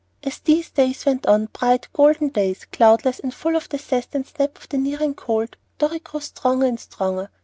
As these days went on, bright, golden days, cloudless, and full of the zest and snap of the nearing cold, Dorry grew stronger and stronger.